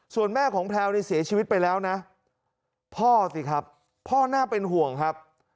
ส่วนแม่ของแพลวนี่เสียชีวิตไปแล้วนะพ่อสิครับพ่อน่าเป็นห่วงครับ